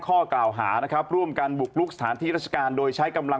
ข้อกล่าวหานะครับร่วมกันบุกลุกสถานที่ราชการโดยใช้กำลัง